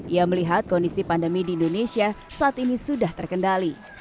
ia melihat kondisi pandemi di indonesia saat ini sudah terkendali